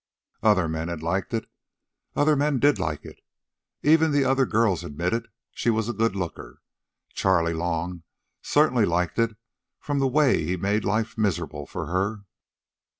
Other men had liked it. Other men did like it. Even the other girls admitted she was a good looker. Charley Long certainly liked it from the way he made life miserable for her.